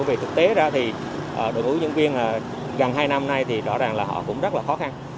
vì thực tế ra đội hướng dẫn viên gần hai năm nay rõ ràng là họ cũng rất khó khăn